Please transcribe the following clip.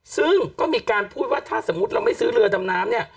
ซึ่งก็มีการพูดว่าถ้าสมมุติเราไม่ซื้อเรือดำน้ำเนี่ย